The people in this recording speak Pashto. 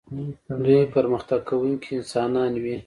دوی پرمختګ کوونکي انسانان وي.